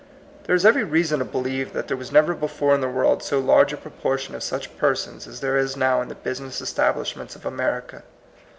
There is every reason to believe that there was never before in the world so large a proportion of such persons as there is now in the business establishments of America.